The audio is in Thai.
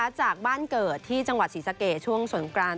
จากบ้านเกิดที่จังหวัดศรีสะเกดช่วงสงกราน